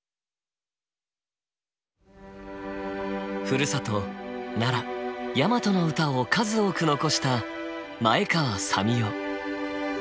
ふるさと奈良大和の歌を数多く残した前川佐美雄。